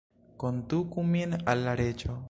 Konduku min al la Reĝo!